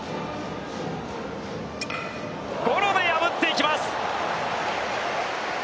ゴロで破っていきます。